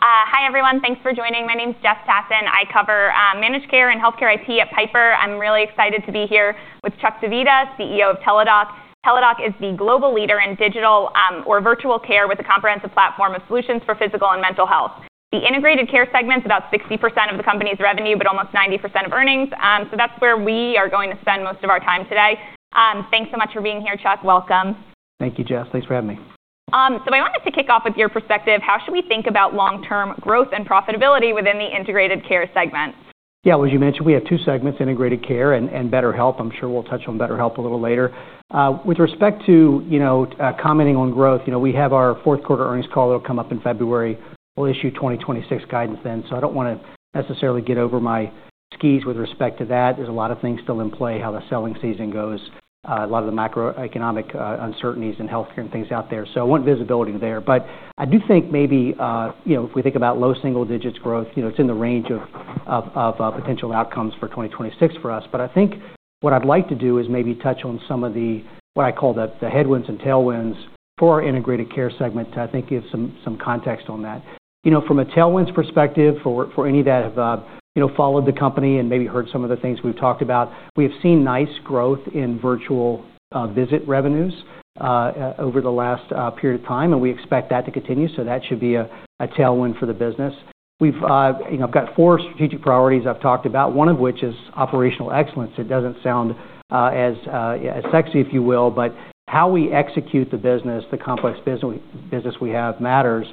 Hi, everyone. Thanks for joining. My name's Jess Tassan. I cover managed care and healthcare IT at Piper. I'm really excited to be here with Chuck Divita, CEO of Teladoc. Teladoc is the global leader in digital or virtual care with a comprehensive platform of solutions for physical and mental health. The Integrated Care segment's about 60% of the company's revenue, but almost 90% of earnings. That is where we are going to spend most of our time today. Thanks so much for being here, Chuck. Welcome. Thank you, Jess. Thanks for having me. I wanted to kick off with your perspective. How should we think about long-term growth and profitability within the Integrated Care segment? Yeah, as you mentioned, we have two segments: Integrated Care and BetterHelp. I'm sure we'll touch on BetterHelp a little later. With respect to commenting on growth, we have our fourth quarter earnings call. It'll come up in February. We'll issue 2026 guidance then. I don't want to necessarily get over my skis with respect to that. There's a lot of things still in play, how the selling season goes, a lot of the macro-economic uncertainties in healthcare and things out there. I want visibility there. I do think maybe if we think about low single digits growth, it's in the range of potential outcomes for 2026 for us. I think what I'd like to do is maybe touch on some of the what I call the headwinds and tailwinds for our Integrated Care segment to, I think, give some context on that. From a tailwinds perspective, for any that have followed the company and maybe heard some of the things we've talked about, we have seen nice growth in virtual visit revenues over the last period of time, and we expect that to continue. That should be a tailwind for the business. I've got four strategic priorities I've talked about, one of which is operational excellence. It doesn't sound as sexy, if you will, but how we execute the business, the complex business we have, matters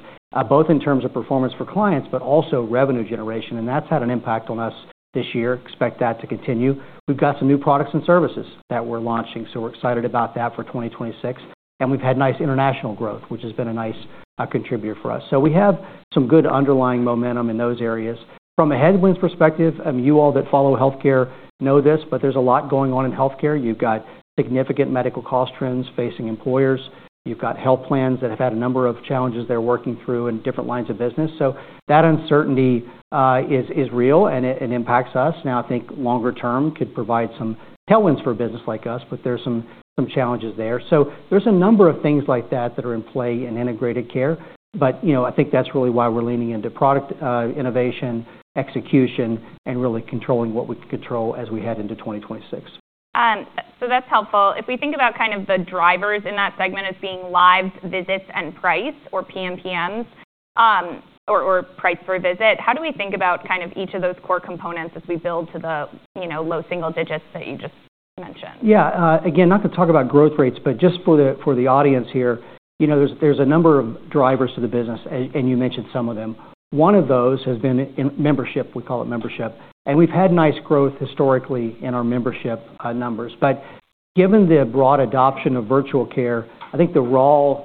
both in terms of performance for clients, but also revenue generation. That's had an impact on us this year. Expect that to continue. We've got some new products and services that we're launching. We're excited about that for 2026. We've had nice international growth, which has been a nice contributor for us. We have some good underlying momentum in those areas. From a headwinds perspective, you all that follow healthcare know this, but there's a lot going on in healthcare. You've got significant medical cost trends facing employers. You've got health plans that have had a number of challenges they're working through in different lines of business. That uncertainty is real, and it impacts us. Now, I think longer term could provide some tailwinds for a business like us, but there's some challenges there. There's a number of things like that that are in play in Integrated Care. I think that's really why we're leaning into product innovation, execution, and really controlling what we can control as we head into 2026. That's helpful. If we think about kind of the drivers in that segment as being live visits and price, or PMPM, or price per visit, how do we think about kind of each of those core components as we build to the low single-digits that you just mentioned? Yeah. Again, not to talk about growth rates, but just for the audience here, there's a number of drivers to the business, and you mentioned some of them. One of those has been membership. We call it membership. And we've had nice growth historically in our membership numbers. Given the broad adoption of virtual care, I think the raw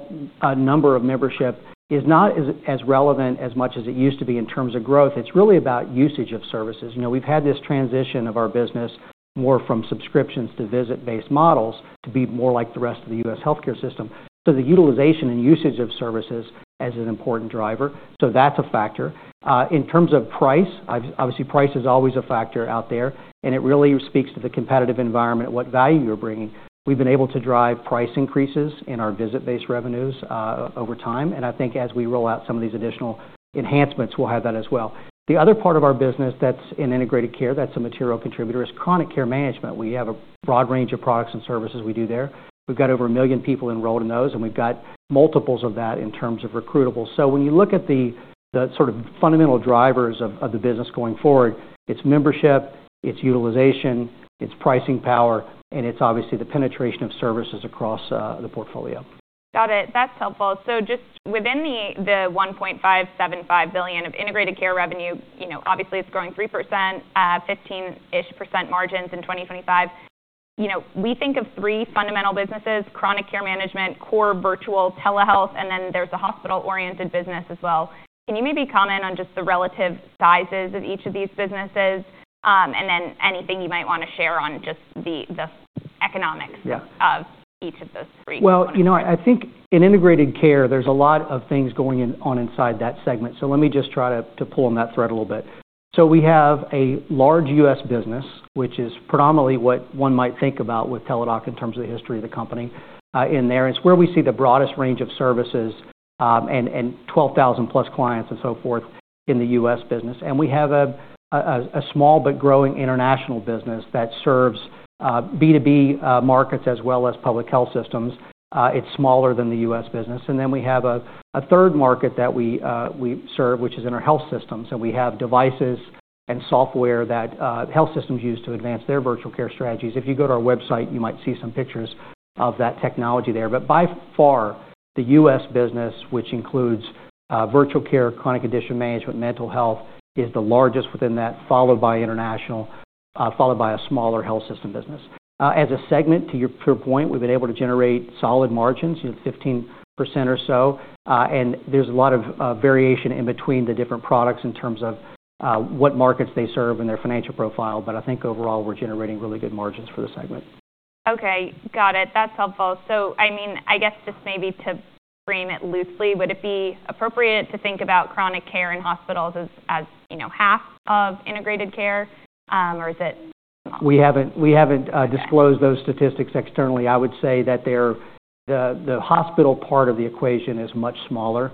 number of membership is not as relevant as much as it used to be in terms of growth. It's really about usage of services. We've had this transition of our business more from subscriptions to visit-based models to be more like the rest of the US Healthcare system. The utilization and usage of services is an important driver. That's a factor. In terms of price, obviously, price is always a factor out there, and it really speaks to the competitive environment, what value you're bringing. We've been able to drive price increases in our visit-based revenues over time. I think as we roll out some of these additional enhancements, we'll have that as well. The other part of our business that's in Integrated Care that's a material contributor is Chronic Care Management. We have a broad range of products and services we do there. We've got over a million people enrolled in those, and we've got multiples of that in terms of recruitables. When you look at the sort of fundamental drivers of the business going forward, it's membership, it's utilization, it's pricing power, and it's obviously the penetration of services across the portfolio. Got it. That's helpful. Just within the $1.575 billion of Integrated Care revenue, obviously, it's growing 3%, 15-ish% margins in 2025. We think of three fundamental businesses: Chronic Care Management, Core Virtual Telehealth, and then there's a Hospital-oriented business as well. Can you maybe comment on just the relative sizes of each of these businesses and then anything you might want to share on just the economics of each of those three? I think in Integrated Care, there's a lot of things going on inside that segment. Let me just try to pull on that thread a little bit. We have a large US business, which is predominantly what one might think about with Teladoc Health in terms of the history of the company in there. It's where we see the broadest range of services and 12,000+ clients and so forth in the US business. We have a small but growing international business that serves B2B markets as well as public health systems. It's smaller than the US business. We have a third market that we serve, which is in our health systems. We have devices and software that health systems use to advance their Virtual Care strategies. If you go to our website, you might see some pictures of that technology there. By far, the US business, which includes virtual care, chronic condition management, mental health, is the largest within that, followed by international, followed by a smaller health system business. As a segment, to your point, we've been able to generate solid margins, 15% or so. There is a lot of variation in between the different products in terms of what markets they serve and their financial profile. I think overall, we're generating really good margins for the segment. Okay. Got it. That's helpful. I mean, I guess just maybe to frame it loosely, would it be appropriate to think about chronic care in hospitals as half of Integrated Care, or is it? We haven't disclosed those statistics externally. I would say that the hospital part of the equation is much smaller.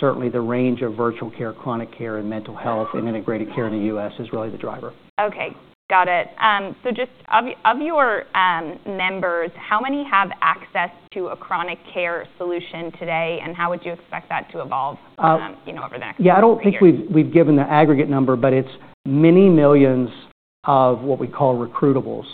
Certainly, the range of virtual care, chronic care, and mental health, and Integrated Care in the U.S. is really the driver. Okay. Got it. Just of your members, how many have access to a chronic care solution today, and how would you expect that to evolve over the next year? Yeah, I don't think we've given the aggregate number, but it's many millions of what we call recruitables.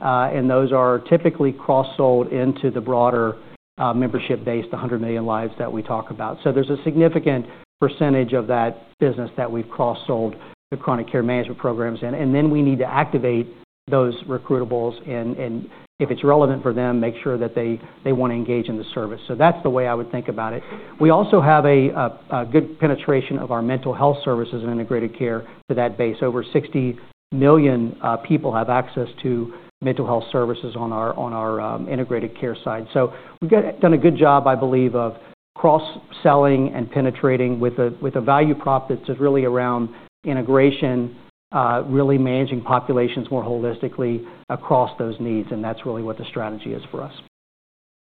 And those are typically cross-sold into the broader membership-based 100 million lives that we talk about. So there's a significant percentage of that business that we've cross-sold the chronic care management programs. And then we need to activate those recruitables and, if it's relevant for them, make sure that they want to engage in the service. That's the way I would think about it. We also have a good penetration of our mental health services and Integrated Care to that base. Over 60 million people have access to mental health services on our Integrated Care side. We've done a good job, I believe, of cross-selling and penetrating with a value prop that's really around integration, really managing populations more holistically across those needs. That is really what the strategy is for us.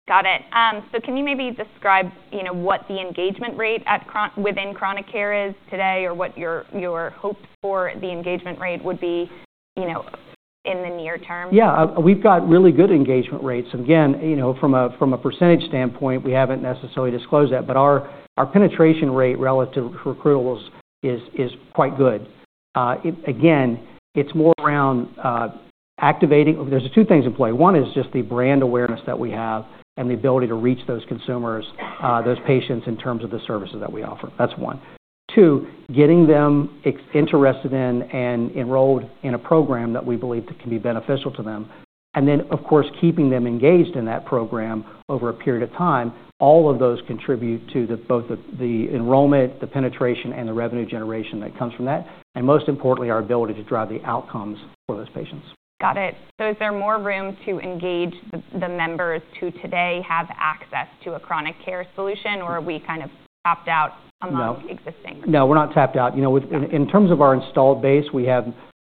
Got it. Can you maybe describe what the engagement rate within chronic care is today or what your hopes for the engagement rate would be in the near term? Yeah. We've got really good engagement rates. Again, from a percentage standpoint, we haven't necessarily disclosed that. Our penetration rate relative to recruitables is quite good. It's more around activating. There are two things in play. One is just the brand awareness that we have and the ability to reach those consumers, those patients in terms of the services that we offer. That's one. Two, getting them interested in and enrolled in a program that we believe can be beneficial to them. Of course, keeping them engaged in that program over a period of time. All of those contribute to both the enrollment, the penetration, and the revenue generation that comes from that. Most importantly, our ability to drive the outcomes for those patients. Got it. Is there more room to engage the members that today have access to a chronic care solution, or are we kind of tapped out among existing? No, we're not tapped out. In terms of our installed base, we have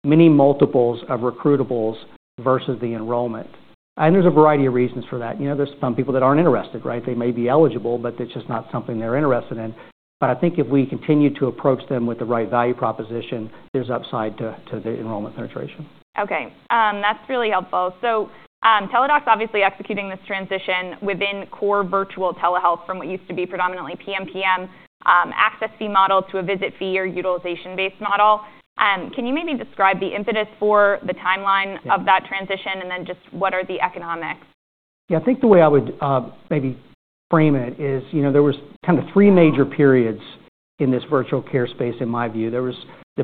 many multiples of recruitables versus the enrollment. There's a variety of reasons for that. There are some people that aren't interested, right? They may be eligible, but it's just not something they're interested in. I think if we continue to approach them with the right value proposition, there's upside to the enrollment penetration. Okay. That's really helpful. Teladoc's obviously executing this transition within core virtual telehealth from what used to be predominantly PMPM, access fee model to a visit fee or utilization-based model. Can you maybe describe the impetus for the timeline of that transition and then just what are the economics? Yeah, I think the way I would maybe frame it is there were kind of three major periods in this virtual care space, in my view. There was the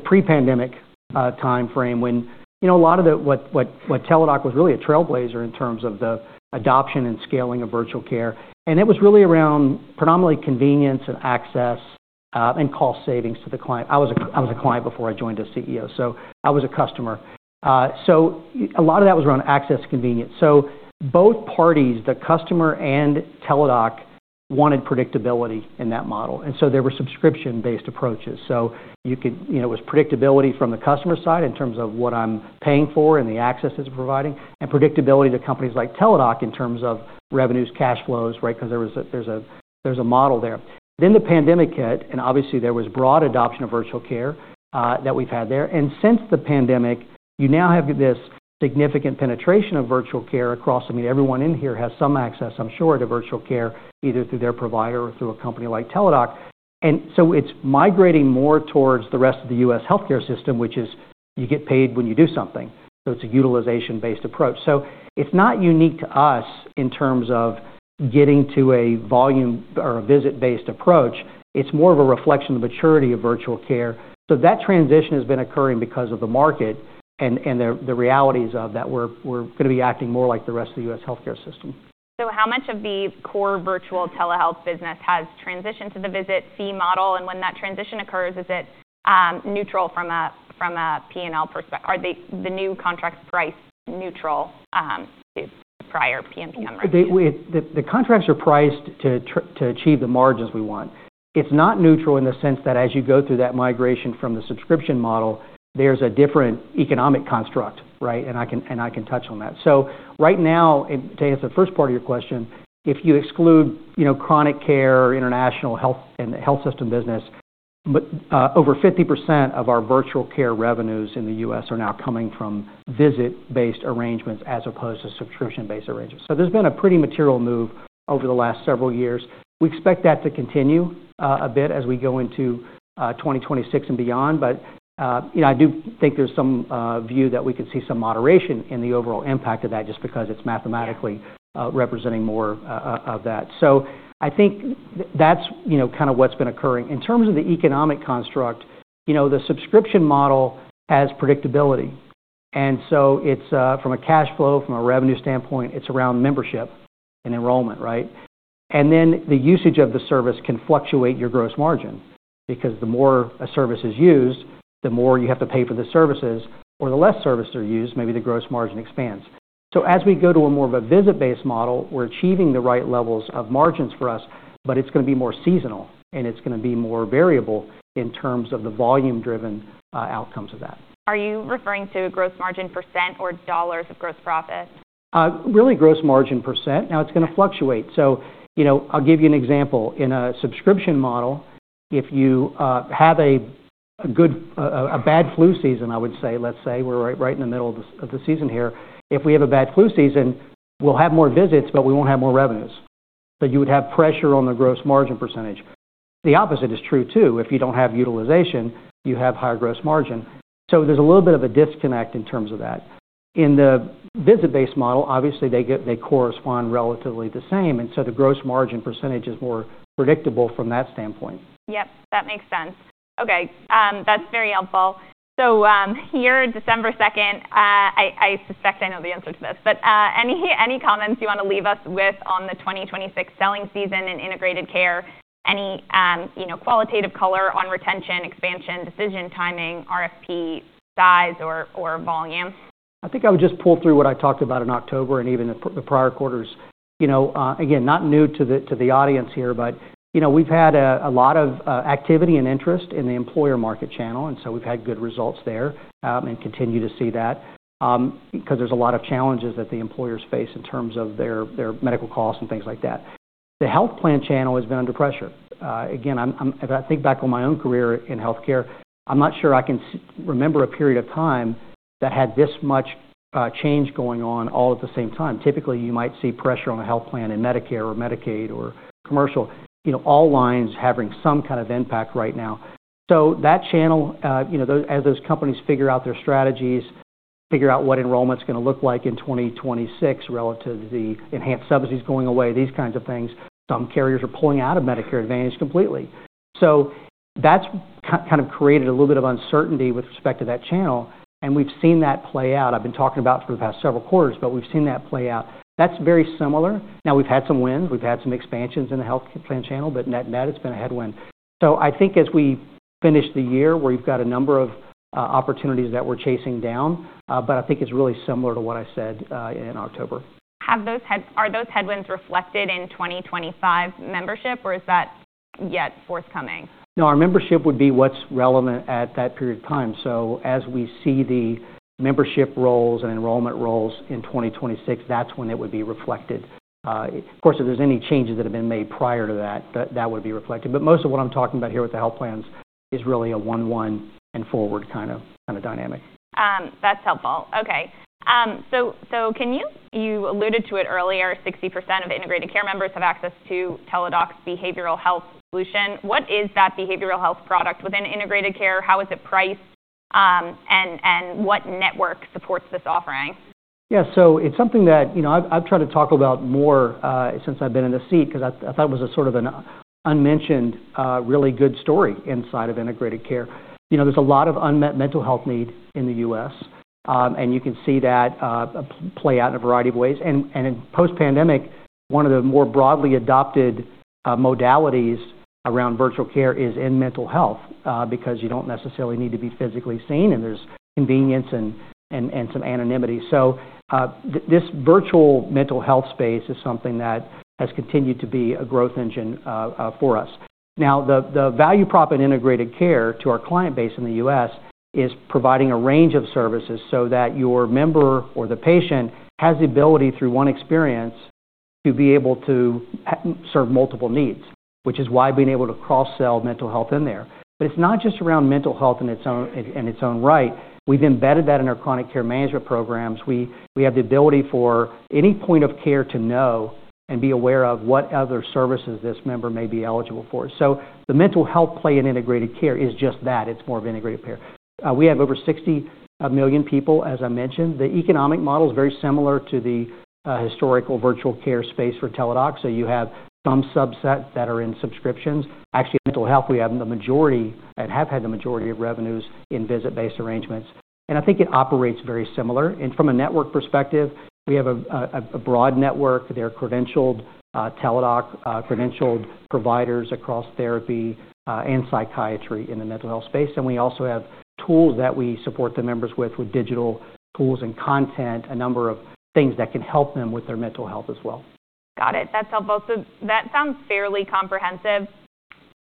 pre-pandemic timeframe when a lot of what Teladoc was really a trailblazer in terms of the adoption and scaling of virtual care. It was really around predominantly convenience and access and cost savings to the client. I was a client before I joined as CEO, so I was a customer. A lot of that was around access, convenience. Both parties, the customer and Teladoc, wanted predictability in that model. There were subscription-based approaches. It was predictability from the customer side in terms of what I'm paying for and the access it's providing and predictability to companies like Teladoc in terms of revenues, cash flows, right? Because there's a model there. The pandemic hit, and obviously, there was broad adoption of virtual care that we've had there. Since the pandemic, you now have this significant penetration of virtual care across. I mean, everyone in here has some access, I'm sure, to virtual care either through their provider or through a company like Teladoc. It's migrating more towards the rest of the US Healthcare system, which is you get paid when you do something. It's a utilization-based approach. It's not unique to us in terms of getting to a volume or a visit-based approach. It's more of a reflection of the maturity of virtual care. That transition has been occurring because of the market and the realities of that we're going to be acting more like the rest of the US Healthcare system. How much of the core virtual telehealth business has transitioned to the visit fee model? When that transition occurs, is it neutral from a P&L perspective? Are the new contracts priced neutral to prior PMPM revenues? The contracts are priced to achieve the margins we want. It's not neutral in the sense that as you go through that migration from the subscription model, there's a different economic construct, right? I can touch on that. Right now, to answer the first part of your question, if you exclude Chronic Care international health system business, over 50% of our Virtual Care revenues in the U.S., are now coming from visit-based arrangements as opposed to subscription-based arrangements. There's been a pretty material move over the last several years. We expect that to continue a bit as we go into 2026 and beyond. I do think there's some view that we could see some moderation in the overall impact of that just because it's mathematically representing more of that. I think that's kind of what's been occurring. In terms of the economic construct, the subscription model has predictability. From a cash flow, from a revenue standpoint, it's around membership and enrollment, right? The usage of the service can fluctuate your gross margin because the more a service is used, the more you have to pay for the services. The less services are used, maybe the gross margin expands. As we go to more of a visit-based model, we're achieving the right levels of margins for us, but it's going to be more seasonal, and it's going to be more variable in terms of the volume-driven outcomes of that. Are you referring to a gross margin percent or dollars of gross profit? Really, gross margin percent. Now, it's going to fluctuate. I'll give you an example. In a subscription model, if you have a bad flu season, I would say, let's say we're right in the middle of the season here. If we have a bad flu season, we'll have more visits, but we won't have more revenues. You would have pressure on the gross margin percentage. The opposite is true too. If you don't have utilization, you have higher gross margin. There's a little bit of a disconnect in terms of that. In the visit-based model, obviously, they correspond relatively the same. The gross margin percentage is more predictable from that standpoint. Yep. That makes sense. Okay. That's very helpful. Here, December 2nd, I suspect I know the answer to this, but any comments you want to leave us with on the 2026 selling season in Integrated Care? Any qualitative color on retention, expansion, decision timing, RFP size, or volume? I think I would just pull through what I talked about in October and even the prior quarters. Again, not new to the audience here, but we've had a lot of activity and interest in the employer market channel. We've had good results there and continue to see that because there's a lot of challenges that the employers face in terms of their medical costs and things like that. The health plan channel has been under pressure. If I think back on my own career in healthcare, I'm not sure I can remember a period of time that had this much change going on all at the same time. Typically, you might see pressure on a health plan in Medicare or Medicaid or Commercial, all lines having some kind of impact right now. That channel, as those companies figure out their strategies, figure out what enrollment's going to look like in 2026 relative to the enhanced subsidies going away, these kinds of things, some carriers are pulling out of Medicare Advantage completely. That has kind of created a little bit of uncertainty with respect to that channel. We've seen that play out. I've been talking about it for the past several quarters, but we've seen that play out. That's very similar. Now, we've had some wins. We've had some expansions in the health plan channel, but net-net, it's been a headwind. I think as we finish the year, we've got a number of opportunities that we're chasing down. I think it's really similar to what I said in October. Are those headwinds reflected in 2025 membership, or is that yet forthcoming? No, our membership would be what's relevant at that period of time. As we see the membership roles and enrollment roles in 2026, that's when it would be reflected. Of course, if there's any changes that have been made prior to that, that would be reflected. Most of what I'm talking about here with the health plans is really a one-one and forward kind of dynamic. That's helpful. Okay. You alluded to it earlier, 60% of Integrated Care members have access to Teladoc's behavioral health solution. What is that behavioral health product within Integrated Care? How is it priced? What network supports this offering? Yeah. It is something that I have tried to talk about more since I have been in the seat because I thought it was sort of an unmentioned, really good story inside of Integrated Care. There is a lot of unmet mental health need in the U.S. You can see that play out in a variety of ways. In post-pandemic, one of the more broadly adopted modalities around Virtual Care is in mental health because you do not necessarily need to be physically seen, and there is convenience and some anonymity. This virtual mental health space is something that has continued to be a growth engine for us. Now, the value prop in Integrated Care to our client base in the U.S. is providing a range of services so that your member or the patient has the ability, through one experience, to be able to serve multiple needs, which is why being able to cross-sell mental health in there. It is not just around mental health in its own right. We have embedded that in our Chronic Care Management programs. We have the ability for any point of care to know and be aware of what other services this member may be eligible for. The mental health play in Integrated Care is just that. It is more of Integrated Care. We have over 60 million people, as I mentioned. The economic model is very similar to the historical Virtual Care space for Teladoc. You have some subsets that are in subscriptions. Actually, mental health, we have the majority and have had the majority of revenues in visit-based arrangements. I think it operates very similar. From a network perspective, we have a broad network. There are credentialed Teladoc credentialed providers across therapy and psychiatry in the mental health space. We also have tools that we support the members with, with digital tools and content, a number of things that can help them with their mental health as well. Got it. That's helpful. That sounds fairly comprehensive.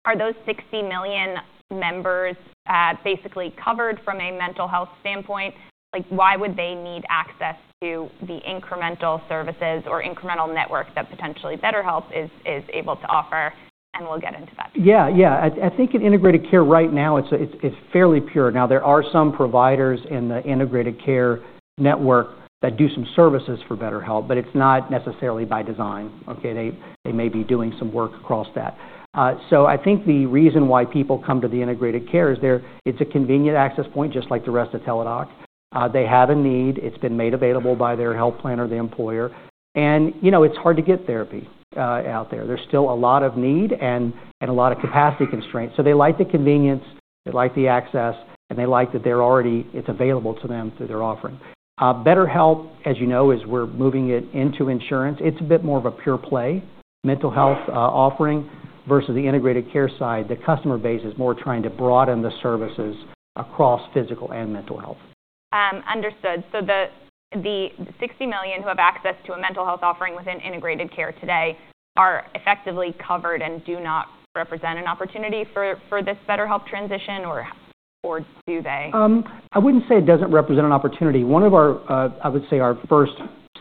Are those 60 million members basically covered from a mental health standpoint? Why would they need access to the incremental services or incremental network that potentially BetterHelp is able to offer? We'll get into that. Yeah. Yeah. I think in Integrated Care right now, it's fairly pure. Now, there are some providers in the Integrated Care network that do some services for BetterHelp, but it's not necessarily by design. Okay? They may be doing some work across that. I think the reason why people come to the Integrated Care is it's a convenient access point, just like the rest of Teladoc. They have a need. It's been made available by their health plan or the employer. It's hard to get therapy out there. There's still a lot of need and a lot of capacity constraints. They like the convenience. They like the access. They like that it's available to them through their offering. BetterHelp, as you know, as we're moving it into insurance, it's a bit more of a pure play mental health offering versus the Integrated Care side. The customer base is more trying to broaden the services across physical and mental health. Understood. So the 60 million who have access to a mental health offering within Integrated Care today are effectively covered and do not represent an opportunity for this BetterHelp transition, or do they? I wouldn't say it doesn't represent an opportunity. One of our, I would say, our first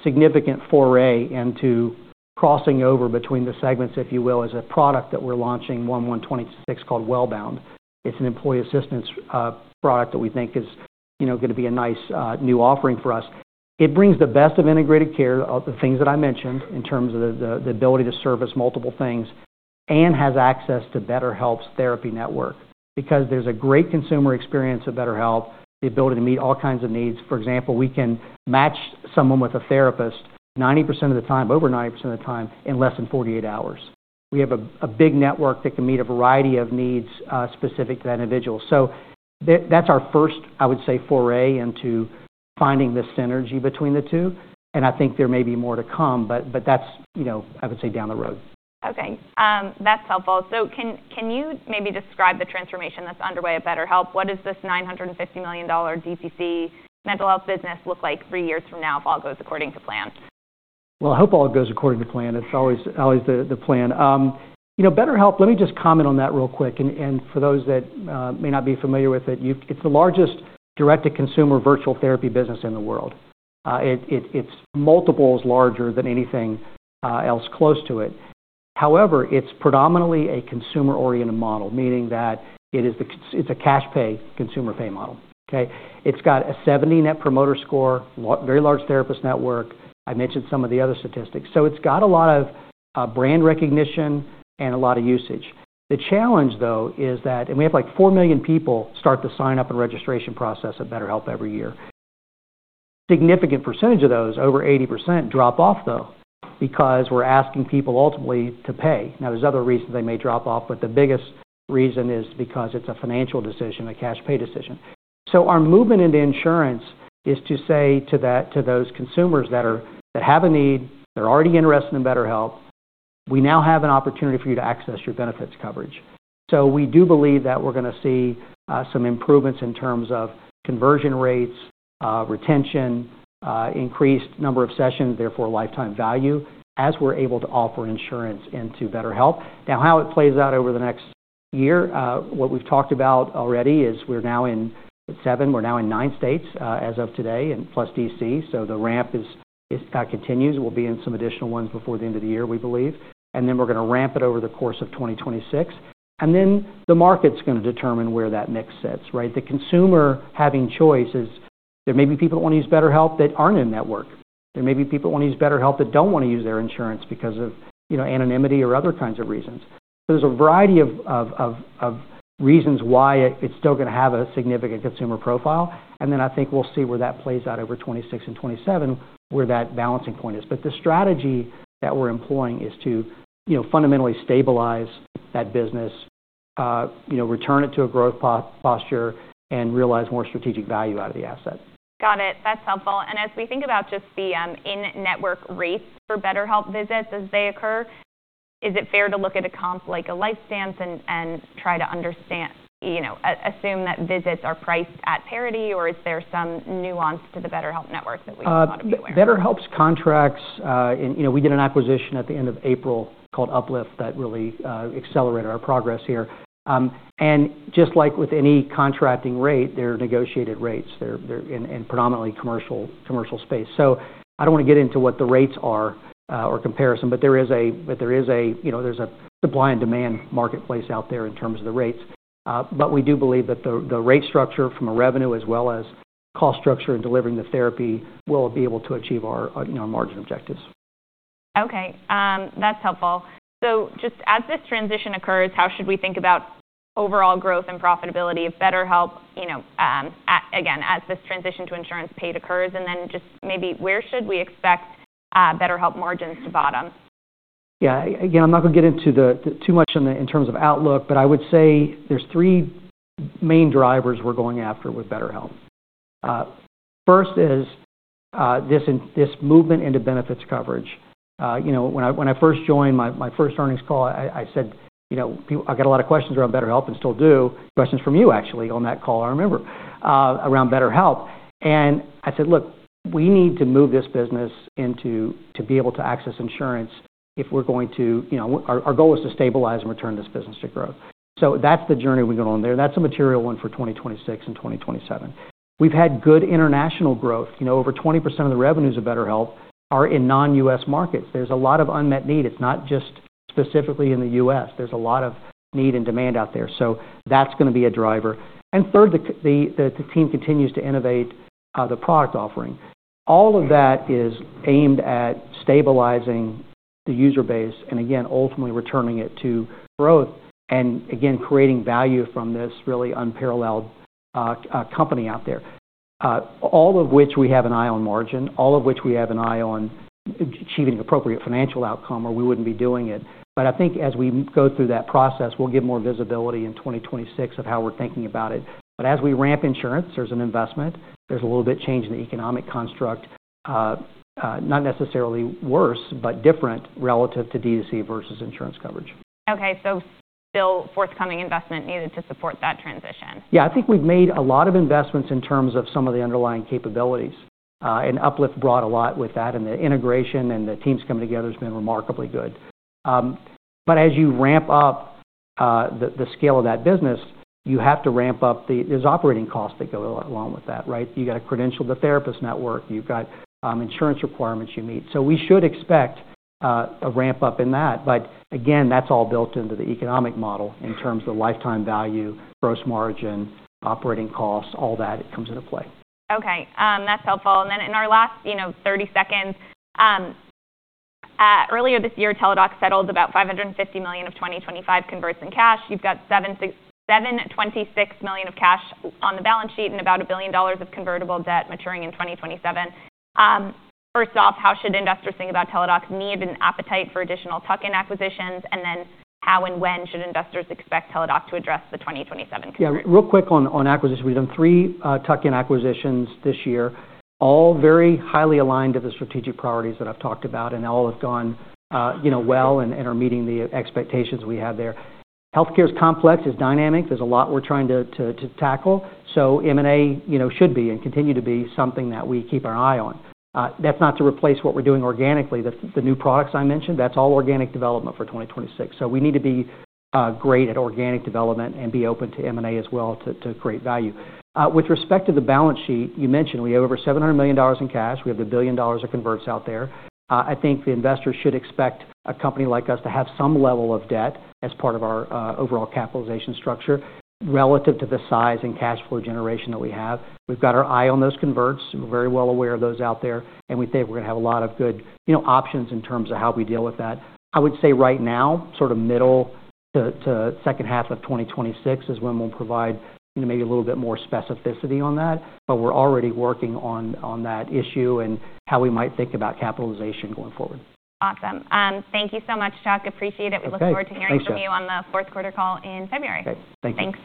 significant foray into crossing over between the segments, if you will, is a product that we're launching in 2026 called Wellbound. It's an employee assistance product that we think is going to be a nice new offering for us. It brings the best of Integrated Care, the things that I mentioned in terms of the ability to service multiple things, and has access to BetterHelp's therapy network because there's a great consumer experience of BetterHelp, the ability to meet all kinds of needs. For example, we can match someone with a therapist 90% of the time, over 90% of the time, in less than 48 hours. We have a big network that can meet a variety of needs specific to that individual. That's our first, I would say, foray into finding the synergy between the two. I think there may be more to come, but that's, I would say, down the road. Okay. That's helpful. Can you maybe describe the transformation that's underway at BetterHelp? What does this $950 million DCC mental health business look like three years from now if all goes according to plan? I hope all goes according to plan. It's always the plan. BetterHelp, let me just comment on that real quick. And for those that may not be familiar with it, it's the largest direct-to-consumer virtual therapy business in the world. It's multiples larger than anything else close to it. However, it's predominantly a consumer-oriented model, meaning that it's a cash-pay consumer-pay model. Okay? It's got a 70 Net Promoter Score, very large therapist network. I mentioned some of the other statistics. So it's got a lot of brand recognition and a lot of usage. The challenge, though, is that we have like 4 million people start the sign-up and registration process at BetterHelp every year. Significant percentage of those, over 80%, drop off, though, because we're asking people ultimately to pay. Now, there's other reasons they may drop off, but the biggest reason is because it's a financial decision, a cash-pay decision. Our movement into insurance is to say to those consumers that have a need, they're already interested in BetterHelp, we now have an opportunity for you to access your benefits coverage. We do believe that we're going to see some improvements in terms of conversion rates, retention, increased number of sessions, therefore lifetime value, as we're able to offer insurance into BetterHelp. How it plays out over the next year, what we've talked about already is we're now in seven, we're now in nine states as of today, plus Washington, D.C. The ramp continues. We'll be in some additional ones before the end of the year, we believe. We're going to ramp it over the course of 2026. The market is going to determine where that mix sits, right? The consumer having choices, there may be people that want to use BetterHelp that aren't in network. There may be people that want to use BetterHelp that don't want to use their insurance because of anonymity or other kinds of reasons. There is a variety of reasons why it is still going to have a significant consumer profile. I think we will see where that plays out over 2026 and 2027, where that balancing point is. The strategy that we are employing is to fundamentally stabilize that business, return it to a growth posture, and realize more strategic value out of the asset. Got it. That's helpful. As we think about just the in-network rates for BetterHelp visits as they occur, is it fair to look at a comp like LifeStance and try to assume that visits are priced at parity, or is there some nuance to the BetterHelp network that we ought to be aware of? BetterHelp's contracts, we did an acquisition at the end of April called Uplift that really accelerated our progress here. Just like with any contracting rate, there are negotiated rates in predominantly commercial space. I do not want to get into what the rates are or comparison, but there is a supply and demand marketplace out there in terms of the rates. We do believe that the rate structure from a revenue as well as cost structure in delivering the therapy will be able to achieve our margin objectives. Okay. That's helpful. Just as this transition occurs, how should we think about overall growth and profitability of BetterHelp, again, as this transition to insurance paid occurs? Maybe where should we expect BetterHelp margins to bottom? Yeah. Again, I'm not going to get into too much in terms of outlook, but I would say there's three main drivers we're going after with BetterHelp. First is this movement into benefits coverage. When I first joined my first earnings call, I said, "I got a lot of questions around BetterHelp and still do questions from you, actually, on that call." I remember around BetterHelp. I said, "Look, we need to move this business into being able to access insurance if we're going to our goal is to stabilize and return this business to growth." That's the journey we're going on there. That's a material one for 2026 and 2027. We've had good international growth. Over 20% of the revenues of BetterHelp are in non-U.S. markets. There's a lot of unmet need. It's not just specifically in the U.S., is a lot of need and demand out there. That is going to be a driver. Third, the team continues to innovate the product offering. All of that is aimed at stabilizing the user base and, again, ultimately returning it to growth and, again, creating value from this really unparalleled company out there, all of which we have an eye on margin, all of which we have an eye on achieving appropriate financial outcome or we would not be doing it. I think as we go through that process, we will get more visibility in 2026 of how we are thinking about it. As we ramp insurance, there is an investment. There is a little bit changed in the economic construct, not necessarily worse, but different relative to DCC versus insurance coverage. Okay. Still forthcoming investment needed to support that transition. Yeah. I think we've made a lot of investments in terms of some of the underlying capabilities. Uplift brought a lot with that. The integration and the teams coming together has been remarkably good. As you ramp up the scale of that business, you have to ramp up the operating costs that go along with that, right? You got to credential the therapist network. You've got insurance requirements you meet. We should expect a ramp up in that. Again, that's all built into the economic model in terms of the lifetime value, gross margin, operating costs, all that comes into play. Okay. That's helpful. In our last 30 seconds, earlier this year, Teladoc settled about $550 million of 2025 converts in cash. You've got $726 million of cash on the balance sheet and about $1 billion of convertible debt maturing in 2027. First off, how should investors think about Teladoc's need and appetite for additional tuck-in acquisitions? How and when should investors expect Teladoc to address the 2027? Yeah. Real quick on acquisitions. We've done three tuck-in acquisitions this year, all very highly aligned to the strategic priorities that I've talked about, and all have gone well and are meeting the expectations we have there. Healthcare is complex. It's dynamic. There's a lot we're trying to tackle. M&A should be and continue to be something that we keep our eye on. That's not to replace what we're doing organically. The new products I mentioned, that's all organic development for 2026. We need to be great at organic development and be open to M&A as well to create value. With respect to the balance sheet, you mentioned we have over $700 million in cash. We have a billion dollars of converts out there. I think the investors should expect a company like us to have some level of debt as part of our overall capitalization structure relative to the size and cash flow generation that we have. We've got our eye on those converts. We're very well aware of those out there. We think we're going to have a lot of good options in terms of how we deal with that. I would say right now, sort of middle to second half of 2026 is when we'll provide maybe a little bit more specificity on that. We're already working on that issue and how we might think about capitalization going forward. Awesome. Thank you so much, Chuck. Appreciate it. We look forward to hearing from you on the fourth quarter call in February. Okay. Thank you.